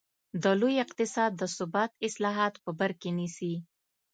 د لوی اقتصاد د ثبات اصلاحات په بر کې نیسي.